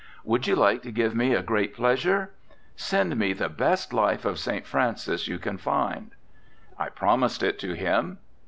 Would you like to give me a great pleasure? Send me the best life of St. Francis you can find.' I promised it to him.